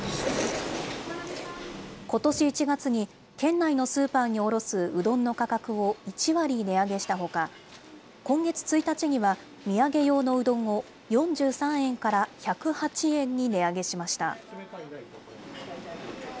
ことし１月に、県内のスーパーに卸すうどんの価格を１割値上げしたほか、今月１日には、土産用のうどんを４３円から１０８円に値上げしました。